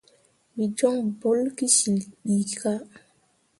Wǝ jon bolle ki cil ɓii kah.